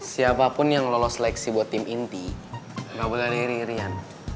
siapapun yang lolos seleksi buat tim inti nggak boleh riri rian